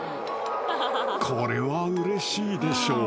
［これはうれしいでしょう］